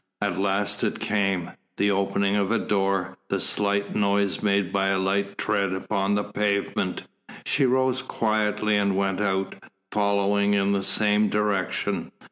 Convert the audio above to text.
At last it came, the opening of a door, the slight noise made by a light tread upon the pavement. She rose quietly and went out, following in the same direction.